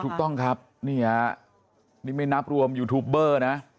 ถูกต้องครับนี่ฮะนี่ไม่นับรวมยูทูปเบอร์นะ